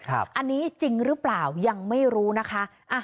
อันนี้จริงหรือเปล่ายังไม่รู้นะคะ